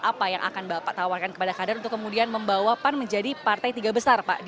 apa yang akan bapak tawarkan kepada kader untuk kemudian membawa pan menjadi partai tiga besar di dua ribu dua puluh empat